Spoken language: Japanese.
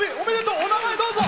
お名前、どうぞ。